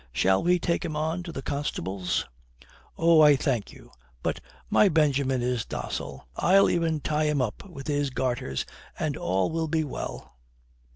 Shall we take him on to the constables?" "Oh, I thank you, but my Benjamin is docile. I'll e'en tie him up with his garters, and all will be well."